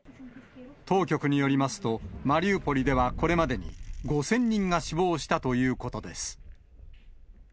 当局によりますと、マリウポリではこれまでに、５０００人が死亡したということです。